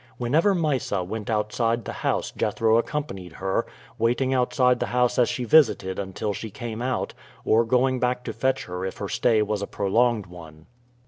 Whenever Mysa went outside the house Jethro accompanied her, waiting outside the house she visited until she came out, or going back to fetch her if her stay was a prolonged one.